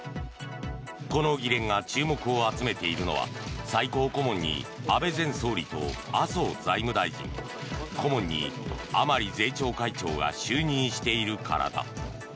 この議連が注目を集めているのは最高顧問に安倍前総理と麻生財務大臣顧問に甘利税調会長が就任しているからだ。